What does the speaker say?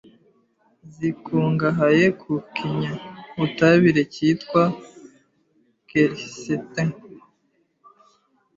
Zikungahaye ku kinyabutabire cyitwa quercetin